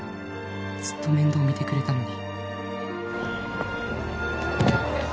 「ずっと面倒みてくれたのに」